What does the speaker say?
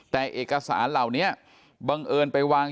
แต่เอกสารเหล่านี้บังเอิญไปวาง